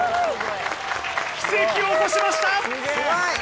奇跡を起こしました。